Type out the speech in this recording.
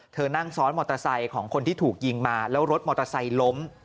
นั่งซ้อนมอเตอร์ไซค์ของคนที่ถูกยิงมาแล้วรถมอเตอร์ไซค์ล้ม